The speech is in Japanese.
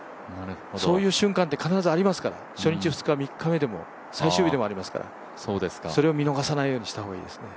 そういう瞬間って必ずありますから、初日、２日、３日でも最終日でもありますから、それを見逃さないようにした方がいいですね。